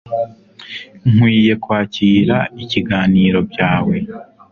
Nkwiye kwakira ikiganiro byawe